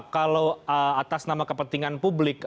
kalau atas nama kepentingan publik